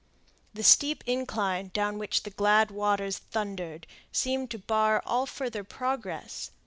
The steep incline down which the glad waters thundered seemed to bar all farther progress.